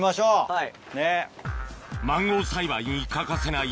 はい。